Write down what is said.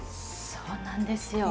そうなんですよ。